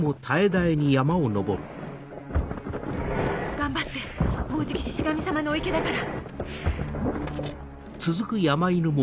頑張ってもうじきシシ神様のお池だから。